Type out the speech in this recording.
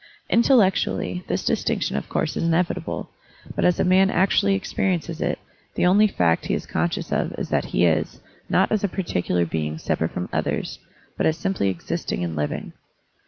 Intellectually, this distinction of course is inevitable, but as a man actually experiences it, the only fact he is conscious of is that he is, not as a particular being separate from others, but as simply existing and living.